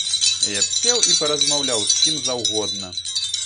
Я б сеў і паразмаўляў з кім заўгодна.